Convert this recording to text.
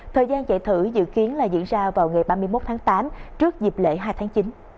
thời gian chạy thử dự kiến là diễn ra vào ngày ba mươi một tháng tám trước dịp lễ hai tháng chín